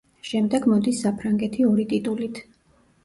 შემდეგ მოდის საფრანგეთი ორი ტიტულით.